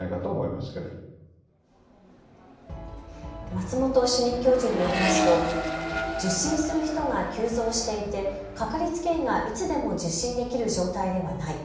松本主任教授によりますと受診する人が急増していてかかりつけ医がいつでも受診できる状態ではない。